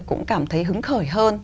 cũng cảm thấy hứng khởi hơn